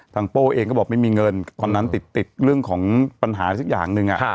โป้เองก็บอกไม่มีเงินตอนนั้นติดเรื่องของปัญหาสักอย่างหนึ่ง